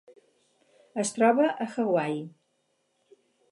Es troba a Hawaii.